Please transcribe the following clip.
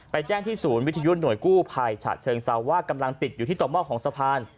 แจ้งที่ศูนย์วิทยุหน่วยกู้ภัยฉะเชิงเซาว่ากำลังติดอยู่ที่ต่อหม้อของสะพาน